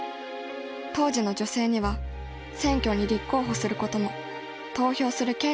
当時の女性には選挙に立候補することも投票する権利もなし。